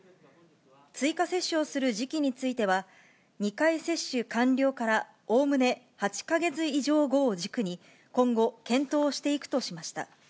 追加接種をする時期については、２回接種完了からおおむね８か月以上後を軸に今後、検討していくとしました。